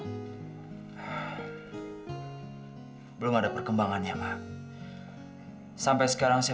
mama ingin tahu bagaimana kabarnya dari sana